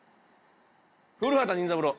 古畑任三郎